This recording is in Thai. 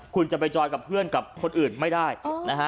คุณจะไปจอยกับเพื่อนกับคนอื่นไม่ได้นะฮะ